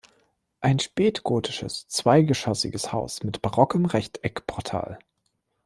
Ein spätgotisches, zweigeschossiges Haus mit barockem Rechteckportal.